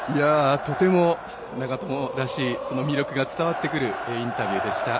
とても長友らしい魅力が伝わってくるインタビューでした。